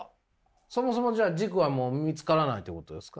そもそもじゃあ軸はもう見つからないっていうことですか？